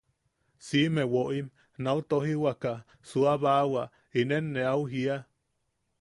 Siʼime woʼim nau tojiwaka suʼabaawa, inen ne au jiia.